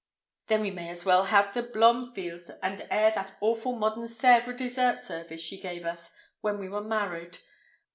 Then we may as well have the Blomfields, and air that awful modern Sèvres dessert service she gave us when we were married."